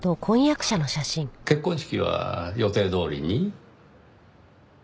結婚式は予定どおりに？